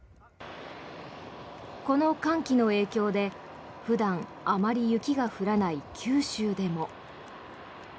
この寒気の影響で普段あまり雪が降らない九州でも。